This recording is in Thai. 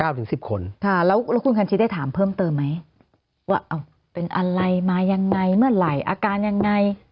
แล้วคุณคันชิดได้ถามเพิ่มเติมไหมว่าเป็นอะไรมายังไงเมื่อไหร่อาการยังไง